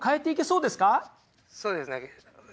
そうですね。